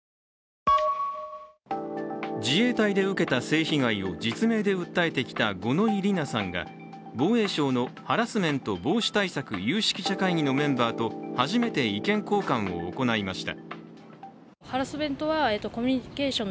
自衛隊で受けた性被害を実名で訴えてきた五ノ井里奈さんが防衛省のハラスメント防止対策有識者会議のメンバーと初めて意見交換を行いました。